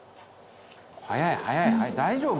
大丈夫？